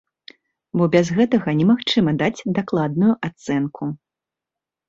Бо без гэтага немагчыма даць дакладную ацэнку.